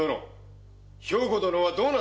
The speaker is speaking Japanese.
兵庫殿はどうなされた？